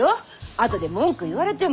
あとで文句言われても。